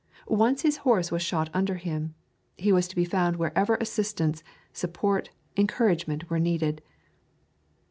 Once his horse was shot under him. He was to be found wherever assistance, support, encouragement were needed.